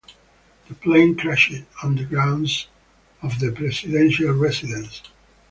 The plane crashed on the grounds of the presidential residence.